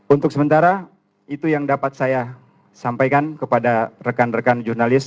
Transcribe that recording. untuk sementara itu yang dapat saya sampaikan kepada rekan rekan jurnalis